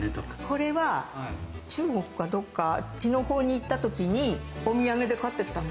これは中国かどっか、あっちの方に行ったときにお土産で買ってきたの。